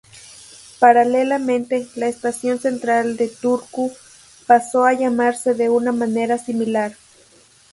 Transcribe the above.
Paralelamente, la Estación Central de Turku pasó a llamarse de una manera similar.